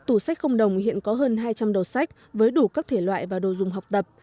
tủ sách không đồng hiện có hơn hai trăm linh đầu sách với đủ các thể loại và đồ dùng học tập